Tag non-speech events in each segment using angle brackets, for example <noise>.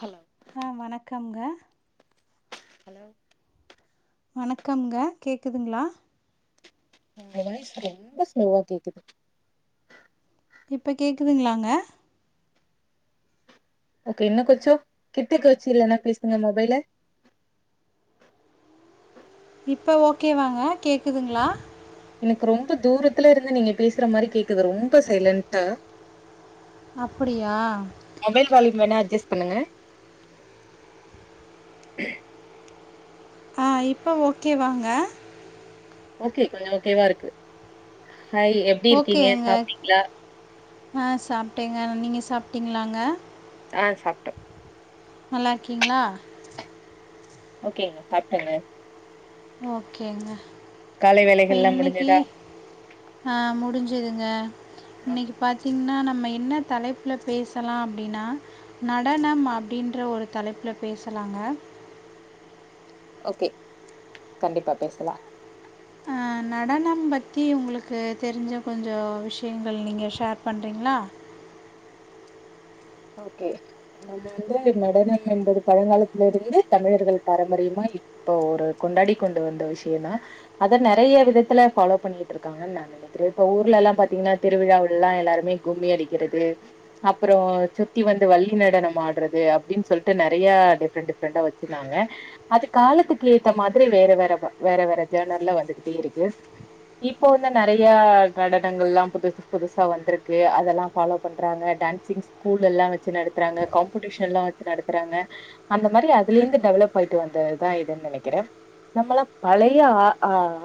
ஹல <inaudible> ஆ வணக்கம்ங்க ஹலோ வணக்கம்ங்க கேக்குதுங்ளா ஒங்க வாய்ஸ் ரொம்ப சுலோவா கேக்குது இப்ப கேக்குதுங்களாங்க ஓகே இன்ன கொஞ்சோ கிட்டக்க வச்சு இல்லன்னா பேசுங்க மொபைல இப்ப ஓகே வாங்க கேக்குதுங்ளா எனக்கு ரொம்ப தூரத்ல இருந்து நீங்க பேசுற மாரி கேக்குது ரொம்ப சைலன்டா அப்புடியா மொபைல் வால்யூம் வேணா அட்ஜஸ்ட் பண்ணுங்க ஆ இப்ப ஓகே வாங்க ஓகே கொஞ்சோ ஓகேவா இருக்கு ஹாய் எப்டி இருக்கீங்க ஓகேங்க சாப்ட்டீங்ளா ஆ சாப்ட்டேங்க நீங்க சாப்ட்டீங்ளாங்க ஆ சாப்ட்டோ நல்லா இருக்கீங்ளா ஓகேங்க சாப்ட்டேங்க ஓகேங்க காலை அப்ப வேலைகள்லா இன்னைக்கு முடிஞ்சதா ஆ முடிஞ்சு முடிஞ்சுதுங்க இன்னைக்கு பாத்தீங்னா நம்ம என்ன தலைப்ல பேசலா அப்டின்னா நடனம் அப்டின்ற ஒரு தலைப்ல பேசலாங்க ஓகே கண்டிப்பா பேசலா ஆ நடனம் பத்தி உங்களுக்கு தெரிஞ்ச கொஞ்ச விஷயங்கள் நீங்க ஷேர் பண்றீங்ளா ஓகே நம்ம வந்து நடனம் என்பது பழங்காலத்ல இருந்து தமிழர்கள் பாரம்பரியமா இப்ப ஒரு கொண்டாடி கொண்டு வந்த விஷய தா அத நெறய விதத்ல ஃபாலோ பண்ணிட்டு இருக்காங்கன்னு நா நெனக்குறே இப்ப ஊர்ல எல்லா பாத்தீங்னா திருவிழாவுல எல்லா எல்லாருமே கும்மி அடிக்குறது அப்றோ சுத்தி வந்து வள்ளி நடனம் ஆடுறது அப்டினு சொல்லிட்டு நெறய டிஃப்ரெண்ட் டிஃப்ரெண்ட்டா வச்சிருந்தாங்க அது காலத்துக்கு ஏத்த மாரி வேற வேற வேற வேற ஜேர்னல்லா வந்துகிட்டே இருக்கு இப்போ வந்து நெறய நடனங்கள் எலா புதுசு புதுசா வந்துருக்கு அதெல்லா ஃபாலோ பண்றாங்க டான்சிங்ஸ் ஸ்கூல் எல்லா வச்சு நடத்துறாங்க காம்பிடிஷன் எல்லா வச்சு நடத்துறாங்க அந்த மாரி அதுல இருந்து டெவலப் ஆயிட்டு வந்ததுதா இதுன்னு நெனக்குறே நம்மல்லா பழைய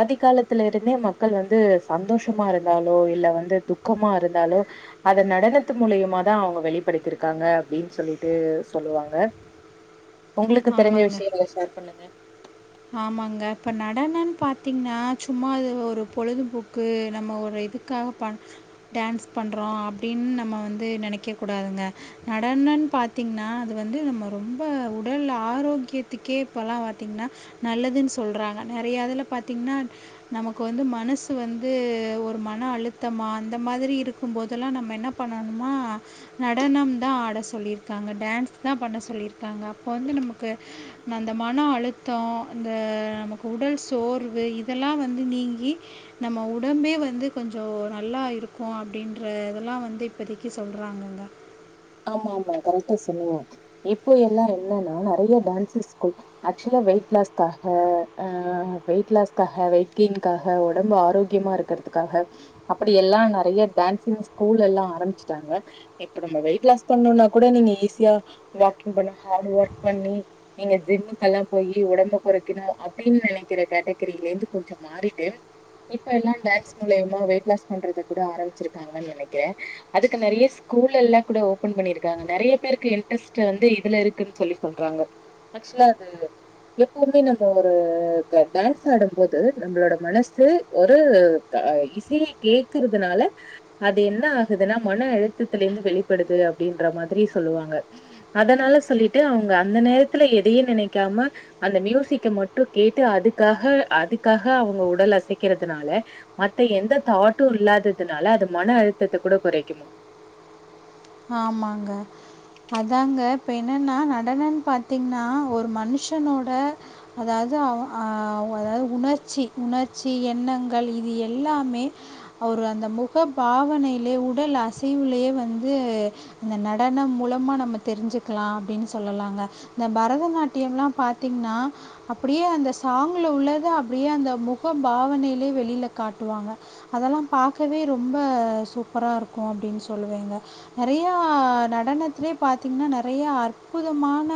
ஆதி காலத்ல இருந்தே மக்கள் வந்து சந்தோஷமா இருந்தாலோ இல்ல வந்து துக்கமா இருந்தாலோ அத நடனத்து மூலியமா தா அவுங்க வெளிப்படுத்தி இருக்காங்க அப்டின்னு சொல்லிட்டு சொல்லுவாங்க ஒங்களுக்கு தெரிஞ்ச ஆமாங்க விஷயங்கள ஷேர் பண்ணுங்க ஆமாங்க இப்ப நடனன் பாத்தீங்கன்னா சும்மா அது ஒரு பொழுதுபோக்கு நம்ம ஒரு இதுக்காக பண் டான்ஸ் பண்றோம் அப்டின் நம்ம வந்து நெனைக்க கூடாதுங்க நடனன்னு பாத்தீங்கன்னா அது வந்து நம்ம ரொம்ப உடல் ஆரோக்கியத்துக்கே இப்பல்லா பாத்தீங்கன்னா நல்லதுன்னு சொல்றாங்க நெறையா இதுல பாத்திங்னா நமக்கு வந்து மனசு வந்து ஒரு மன அழுத்தமா அந்த மாரி இருக்கும் போதுல்லா நம்ம என்ன பண்ணணுமா நடனம் தான் ஆட சொல்லிருக்காங்க டான்ஸ் தான் பண்ண சொல்லிருக்காங்க அப்ப வந்து நமக்கு அந்த மன அழுத்தோம் அந்த நமக்கு உடல் சோர்வு இதெல்லா வந்து நீங்கி நம்ம உடம்பே வந்து கொஞ்ச நல்லாருக்கும் அப்டின்ற இதல்லா வந்து இப்போதக்கி சொல்றாங்கங்க ஆமா ஆமா கரெக்டா சொன்னீங்க இப்ப எல்லா என்னனா நெறைய டான்ஸ் ஸ்கூல் ஆக்சுவலா வெயிட் லாஸ்காக ஆ வெயிட் லாஸ்காக வெயிட் கெயின்காக ஓடம்பு ஆரோக்கியமா இருக்கறதுக்காக அப்டி எல்லா நெறைய டான்ஸிங் ஸ்கூல் எல்லா ஆரம்பிச்சுட்டாங்க இப்ப நம்ம வெயிட் கிளாஸ் போனுனா கூட நீங்க ஈஸியா வாகிங் பண்ணி ஹாட் ஒர்க் பண்ணி நீங்க ஜிம்முக்குல்லா போயி ஒடம்பு குறைக்கணு அப்டின் நினைக்கிற கேட்டகிரிலேந்து கொஞ்ச மாறிட்டு இப்ப எல்லா டான்ஸ் மூலயமா வெயிட் லாஸ் பண்றத கூட ஆரம்பிச்சிருக்காங்கன் நினைக்கேன் அதுக்கு நெறைய ஸ்கூல்ல எல்லாம் கூட ஓ பன் பண்ணிருக்காங்க நெறைய பேருக்கு இன்ரெஸ்ட் வந்து இதுல இருக்குன்னு சொல்லி சொல்றாங்க ஆக்சுவலா அது எப்பவுமே நம்ம ஒரு டான்ஸ் ஆடும்போது நம்மளோட மனசு ஒரு இசைய கேக்கறதுனால அது என்ன ஆகுதுனா மன அழுத்ததுல இருந்து வெளிப்படுது அப்டின்ற மாதிரி சொல்லுவாங்க அதனால சொல்லிட்டு அவுங்க அந்த நேரத்துல எதயும் நினைக்காம அந்த மியூசிக்க மட்டும் கேட்டு அதுக்காக அதுக்காக அவங்க உடல் அசைக்கிறதுனால மத்த எந்த தாட்டும் இல்லாததுனால அது மன அழுத்தத்த கூட குறைக்குமா ஆமாங்க அதாங்க இப்ப என்னன்னா நடனன்ன பாத்தீங்கன்னா ஒரு மனுஷனோட அதாவுது ஆ அதாவுது உணர்ச்சி உணர்ச்சி எண்ணங்கள் இது எல்லாமே ஒரு அந்த முக பாவனைலே உடல் அசைவுலேயே வந் து இந்த நடனம் மூலமா நம்ம தெரிஞ்சுக்கலாம் அப்டின் சொல்லலாங்க இந்த பரதநாட்டியமாலாம் பாத்தீங்கன்னா அப்டியே அந்த சாங்க்ல உள்ளது அப்படியே அந்த முக பாவனைலயே வெளில காட்டுவாங்க அதெல்லா பாக்கவே ரொம்ப சூப்பரா இருக்கும் அப்டின் சொல்லுவேங்க நெறைய நடனத்துலயே பாத்தீங்கன்னா நெறைய அற்புதமான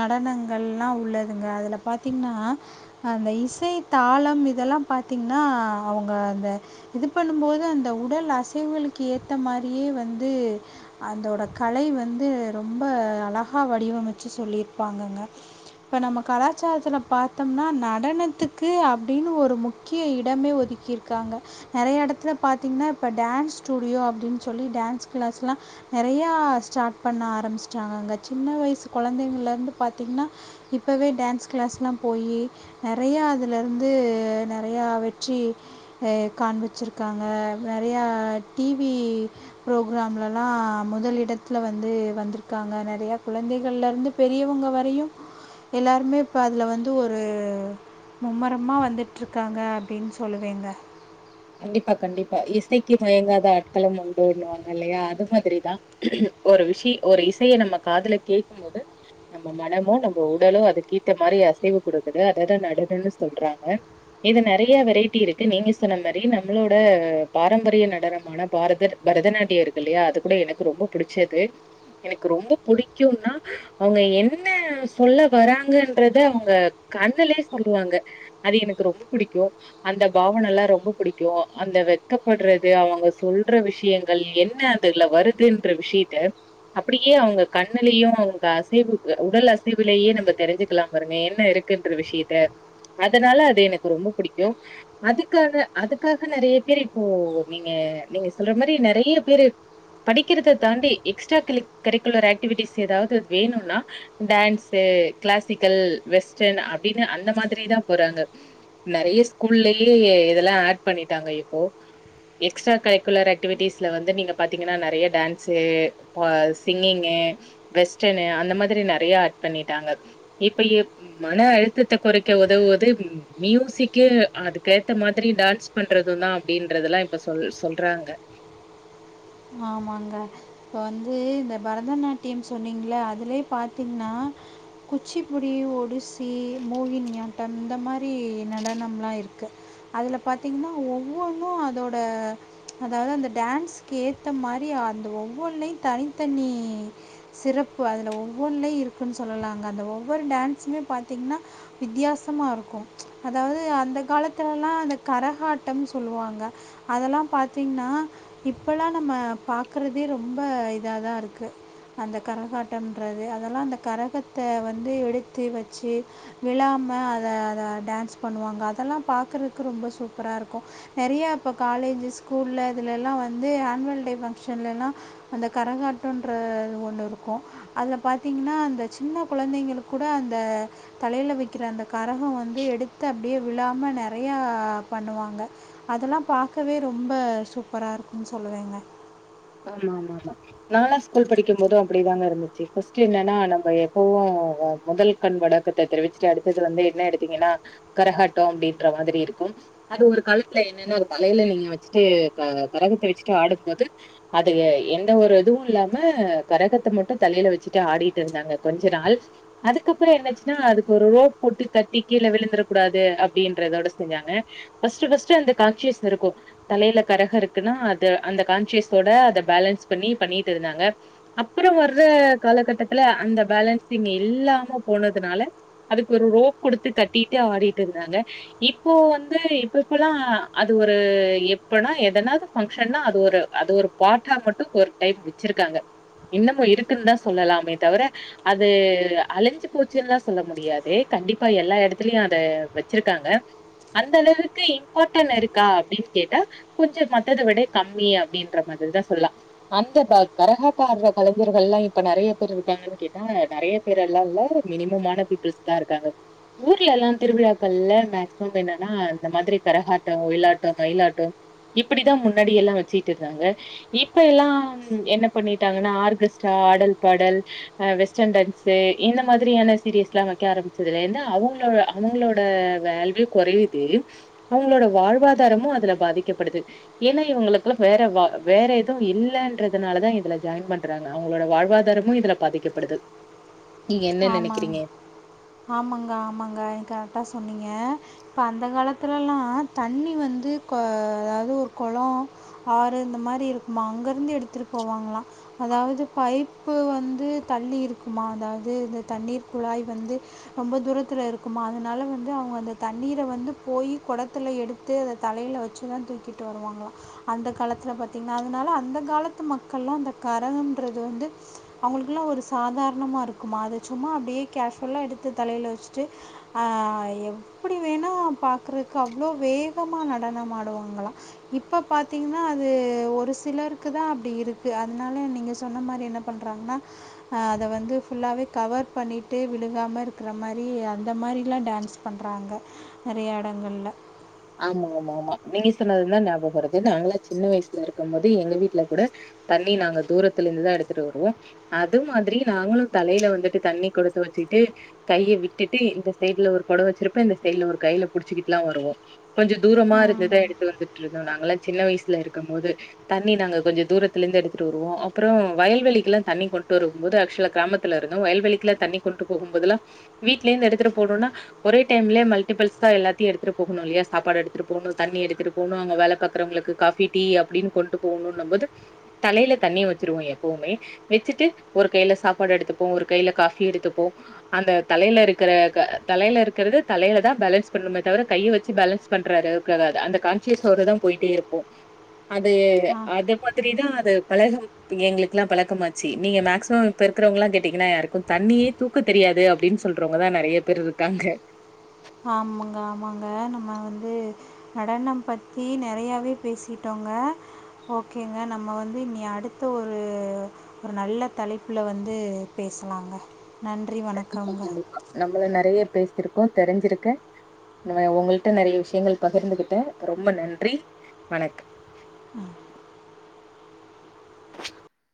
நடனங்கள்லா உள்ளதுங்க அதுல பாத்தீங்கன்னா அந்த இசை தாளம் இதெல்லா பாத்தீங்கன்னா அவுங்க அந்த இது பண்ணும்போது அந்த உடல் அசைவுகளுக்கு ஏத்த மா டி வந்து அதந்தோட கலை வந்து ரொம்ப அழகா வடிவமைச்சு சொல்லிருப்பாங்கங்க இப்ப நம்ம கலாச்சாரத்துல பாத்தோம்னா நடனத்துக்கு அப்டின்னு ஒரு முக்கிய எடமே ஒதுக்கி இருக்காங்க நெறைய எடத்துல பாத்தீங்கன்னா இப்ப டான்ஸ் ஸ்டுடியோ அப்டின் சொல்லி டான்ஸ் கிளாஸ்லாம் நெறையா ஸ்டார்ட் பண்ண ஆரம்பிச்சட்டாங்க அங்கே சின்ன வயிசு கொழந்தைங்கள்ல இருந்து பாத்தீங்ன்னா இப்பவே டான்ஸ் கிளாஸ்லாம் போயி நெறையா அதுலருந்து நிறையா வெற்றி காண்பிச்சுருக்காங்க நெறையா டி வி புரோக்ராம்லல்லா முதல் இடத்துல வந்து வந்திருக்காங்க நிறைய குழந்தைகள்ல இருந்து பெரியவங்க வரையும் எல்லாருமே இப்ப அதுல வந்து ஒரு மும்மரமா வந்து டுருக்காங்க அப்டின்னு சொல்லுவேங்க கண்டிப்பா கண்டிப்பா இசைக்கு மயங்காத ஆட்களும் உண்டோன்னு வாங்க இல்லையா அது மாதிரிதான் ஒரு இசைய ஒரு இசைய நம்ம காதுல கேக்கும் போது நம்ம மனமு நம்ம உடலு அதுக்கு கேத்த மாரி அசைவு குடுக்குது அததான் நடனன்னு சொல்றாங்க இது நெறைய வெரைட்டி இருக்கு நீங்க சொன்ன நம்மளோட பாரம்பரிய நடனமான பாரத பரதநாட்டியம் இருக்கு இல்லையா அது கூட எனக்கு ரொம்ப புடிச்சது எனக்கு ரொம்ப புடிக்குன்னா அவுங்க என்ன சொல்ல வராங்கன்றத அவுங்க கண்ணுல சொல்லுவாங்க அது எனக்கு ரொம்ப புடிக்கும் அந்த பாவனல்லா ரொம்ப புடிக்கும் அந்த வெக்கப்படுறது அவுங்க சொல்ற விஷயங்கள் என்ன அதுல வருதுன்ற விஷியத்த அப்டியே அவங்க கண்ணுலயும் அவங்க அசைவுக்கு உடல் அசைவுலயே நம்ம தெரிஞ்சுக்கலாம் பாருங்க என்ன இருக்குன்ற விஷயத்த அதுனால அது எனக்கு ரொம்ப புடிக்கும் அதுக்கான அதுக்காக நிறைய பேர் இப்போ நீங்க நீங்க சொல்ற மாரி நெறைய பேரு படிக்கிறத தாண்டி எக்ஸ்ட்ரா கலி கரிக்குலர் ஆக்டிவிட்டிஸ் ஏதாவுது வேணுன்னா டான்ஸ் கிளாசிக்கல் வெஸ்டன் அப்டின்னு அந்த மாதிரி தான் போறாங்க நெறைய ஸ்கூல்லயே இத லா ஆட் பண்ணிட்டாங்க இப்போ நிறைய எக்ஸ்ட்ரா கரிக்குலர் ஆக்டிவிடீஸ்ல நீங்க பாத்திங்கன்னா பாட்டு டான்ஸ் சிங்கிங் வெஸ்டன் அந்த மாதிரி நெனனயா ஆட் பண்ணிட்டாங்க இப்ப ஏப் மன அழுத்தத குறைக்க உதவுது மியூசிக் அதுக்கேத்த மா திரி டான்ஸ் பண்றதும் தான் அப்டின்றது எல்லா இப்ப சொல் சொல்றாங்க ஆமாங்க இப்போ வந்து இந்த பரதநாட்டியம் சொன்னீங்கள அதுலயே பாத்தீங்கன்னா குச்சிப்புடி ஒடிசி மோகினியாட்டம் இந்த மாதிரி நடனம்லாம் இருக்கு அதுல பாத்தீங்கன்னா ஒவ்வொன்னும் அதோட அதாவுது அந்த டான்ஸ் ட்ட மாரி அந்த ஒவ்வொன்னுலயு தனித்தனி சிறப்பு அதுல ஒவ்வொன்லயும் இருக்குன்னு சொல்லலாங்க அந்த ஒவ்வொரு டான்ஸ்மே பாத்தீங்கன்னா வித்தியாசமா இருக்கும் அதாவுது அந்த காலத்துலலாம் அந்த கரகாட்டம் சொல்லுவாங்க அதெல்லா பாத்தீங்கன்னா இப்பல்லாம் நம்ம பாக்கறதே ரொம்ப இதா தான் இருக்கு அந்த கரகாட்டன்றது அதெல்லா அந்த கரகத்த எடுத்து வச்சு விழாம அத அத டான்ஸ் பண்ணுவாங்க அதெல்லா பாக்றக்கு ரொம்ப சூப்பரா இருக்கும் நெறையா இப்போ காலேஜ் ஸ்கூல்ல இதுல எல்லாம் வந்து ஆன்வல் டே ஃபங்க்ஷன்லலாம் அந்த கரகாட்டன்ற ஒன்னு இருக்கும் அதுல பாத்தீங்கன்னா அந்த சின்ன குழந்தைங்க கூட அந்த தலயில வைக்கிற அந்த கரகம் வந்து எடுத்து அப்டியே விழாம நெறையா பண்ணுவாங்க அதெல்லா பாக்கவே ரொம்ப சூப்பராக இருக்கும் சார் சொல்லுவேங்க ஆமா ஆ நாலா ஸ்கூல் படிக்கும் போதும் அப்டிதான் இருந்துச்சு பஸ்ட் என்னன்னா நம்ம எப்பவும் முதல் கண் வணக்கத்த தெரிவிச்சுட்டு அடுத்தது வந்து என்ன எடுத்தீங்கன்னா கரகாட்டம் அப்டின்ற மாதிரி இருக்கும் அது ஒரு காலத்துல என்னன்னா ஒரு தலையில நீங்க வச்சுட்டு கரகத்த வச்சுட்டு ஆடும்போது அது எந்த ஒரு எதுவும் இல்லாம கரகத்தை மட்டு தலயில வச்சுட்டு ஆடிட்டு இருந்தாங்க கொஞ்ச நாள் அதுக்கப்ற என்னாச்சுன்னா அதுக்கு ஒரு ரோப் போட்டு கட்டி கீழ விழுந்துர கூடாது அப்டின்றதோட செஞ்சாங்க பஸ்ட் பஸ்ட்டு அந்த கான்சியஸ் இருக்கும் தலேல கரகம் இருக்குன்னா அது அந்த கான்சியஸ் தோட அத பேலன்ஸ் பண்ணி பண்ணிட்டு இருந்தாங்க அப்புற வர்ற காலகட்டத்துல அந்த பேலன்ஸிங் இல்லாம போனதுனால அதுக்கு ஒரு ரோப் குடுத்து கட்டிட்டு ஆடிட்டு இருந்தாங்க இப்போ வந்து இப்ப இப்பல்லா அது ஒரு எப்பனா எதனாது பங்ஷன்னா அது ஒரு அது ஒரு பாட்டா மட்டும் ஒரு டைம் வச்சிருக்காங்க இன்னமும் இருக்குன்னு தான் சொல்லலாமே தவிர அது அழிஞ்சு போச்சுன்னுதான் சொல்ல முடியாது கண்டிப்பா எல்லா எடத்துலயும் அத வச்சிருக்காங்க அந்த அளவுக்கு இம்பார்ட்டன் இருக்கா அப்டின் கேட்டா கொஞ்ச மத்த விட கம்மி அப்டின்ற மாதிரி தான் சொல்லாம் அந்த கரகாட்ட ஆட்ற கலைஞர்கள் எல்லா இப்ப நெறைய பேர் இருக்காங்ளான் கேட்டா நெறைய பேர் எல்லா இல்ல மினிம்மான பீபுள்ஸ் தா இருக்காங்க ஊர்லல்லாம் திருவிழாக்கள்ல மேக்சிமம் என்னன்னா இந்த மாதிரி கரகாட்டம் ஒயிலாட்டம் மயிலாட்டம் இப்டிதான் முன்னாடிய எல்லாம் வச்சு இப்ப எல்லாம் என்ன பண்ணிட்டாங்கன்னா ஆர்கஸ்ட்ரா ஆடல் பாடல் வெஸ்டன் டான்ஸு இந்த மாதிரியான சிரீஸ் எல்லாம் வைக்க ஆரம்பிச்சதுலேந்து அவங்களோட வேல்யூ குறையுது அவங்களோட வாழ்வாதாரமும் அதுல பாதிக்கப்படுது ஏன்னா இவங்களுக் வேற வேற எதுவும் இல்லன்றதுனால தான் இதுல ஜாயின் பண்றாங்க அவங்களோட வாழ்வாதாரமும் இதுல பாதிக்கப்படுது நீங்க என்ன ஆமாங் நெனைக்கிறீங்க ஆமாங்க ஆமாங்க கரெக்டா சொன்னீங்க இப்ப அந்த காலத்துல எல்லா தண்ணி வந்து அதாவது ஒரு கொளம் ஆறு இந்த மாரி இருக்குமா அங்க இருந்து எடுத்துட்டு போவாங்களாம் அதாவுது பைப்பு வந்து தள்ளி இருக்குமா அதாது வந்து இந்த தண்ணீர் குழாய் வந்து ரொம்ப தூரத்துல இருக்குமா அதுனால வந்து அவங்க அந்த தண்ணீர வந்து போயி குடத்துல எடுத்து அத தலயில வச்சு தான் தூக்கிட்டு வருவாங்களா அந்த காலத்தில பாத்தீங்கன்னா அதுனால அந்த காலத்து மக்கள்லா அந்த கரகம்ன்றது வந்து அவங்களுக்குலா ஒரு சாதாரணமா இருக்கும் அது சும்மா அப்டியே கேர் ஃபுல்லா எடுத்து தலயில வச்சுட்டு எப்டி வேணா பாக்கறதுக்கு அவ்ளோ வேகமாக நடனம் ஆடுவாங்களாம் இப்போ பாத்தீங்கன்னா அது ஒரு சிலருக்கு தான் அப்டி இருக்கு அதுனால நீங்க சொன்ன மாதிரி என்ன பண்ணுறாங்கன்னா அத வந்து ஃபுல்லாவே கவர் பண்ணிட்டு விழுகாம இருக்கிற மாரி அந்த மாரிலாம் டான்ஸ் பண்ணுறாங்க நெறையா எடங்கள்ல ஆமாங்க ஆமா ஆமா நீங்க சொன்னது தான் ஞாபகம் வரது நாங்களா சின்ன வயிசுல இருக்கும் போது எங்க வீட்ல கூட தண்ணி நாங்க தூரத்துல இருந்து தான் எடுத்துட்டு வருவோம் அது மாதிரி நாங்களும் தலயில வந்துட்டு தண்ணி கொடத்த வச்சுட்டு கைய விட்டுட்டு இந்த சைய்டுல ஒரு கொடத்த வச்சிருபோம் இந்த சைய்டுல ஒரு கையில புடிச்சுக்கிட்டுல்லா வருவோம் கொஞ்சம் தூரமா ம் இருந்துதான் எடுத்து வந்துட்டு இருந்தோம் நாங்க எல்லா சின்ன வயிசுல இருக்கும் போது தண்ணி நாங்க கொஞ்சோ தூரத்துல இருந்து எடுத்துட்டு வருவோம் அப்புற வயல்வெளிக்கெல்லா தண்ணி கொண்டு வரும் போது ஆக்சுவலா கிராமத்துல இருந்தோம் வயல் வெளிக்கு எல்லா தண்ணி கொண்டு போகும் போதெல்லா வீட்ல இருந்து எடுத்துட்டு போனுன்னா ஒரே டைம்லே மல்டிபிள்ஸா எல்லாத்தையும் எடுத்துட்டு போ போகணு இல்லையா சாப்பாடு எடுத்துட்டு போகும் தண்ணி எடுத்துட்டு போகணு அங்க வேலை பாக்குறவங்களுக்கு காபி டீ அப்டின்னு கொண்டு போணுன்னும் போது தலயில தண்ணி வச்சிருவோம் எப்பவுமே வச்சுட்டு ஒரு கைல சாப்பாடு எடுத்துப்போம் ஒரு கைல காஃபி எடுத்துப்போம் அந்த தலேல இருக்கிற தலேல இருக்கிறது தலேல தான் பேலன்ஸ் பண்ணுமே தவிர கைய வச்சு பேலன்ஸ் பண்ற அளவுக்கு வராது அந்த கான்சியஸ்யோட தா போயிட்டே இருப்போ அது ஆ அது மாதிரி தா அது பழகம் பி எங்களுக்கு எல்லா பழக்கமாச்சி நீங்க மேக்சிமம் இப்ப இருக்கிறவங்கள்ளா கேட்டிங்கன்னா யாருக்கு தண்ணியே தூக்க தெரியாது அப்பிடின்னு சொல்றவங்கதா நெறைய பேர் இருக்காங்க ஆமாங்க ஆமாங்க நம்ம வந்து நடனம் பத்தி நெறையாவே பேசிட்டோங்க ஓகேங்க நம்ம வந்து இனி அடுத்து ஒரு ஒரு நல்ல தலைப்புல வந்து பேசலாங்க நன்றி கண்டிப்பா வணக்கம்ங்க தோழி நம்மள நெறைய பேசிருக்கோ தெரிஞ்சிருக்கே நா உங்கல்ட்ட நெறைய விஷயங்கள் பகிர்ந்துகிட்டே ரொம்போ நன்றி வணக்கம் ம்